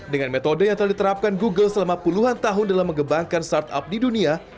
dengan metode yang telah diterapkan google selama puluhan tahun dalam mengembangkan startup di dunia